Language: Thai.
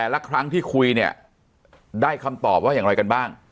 ละครั้งที่คุยเนี่ยได้คำตอบว่าอย่างไรกันบ้าง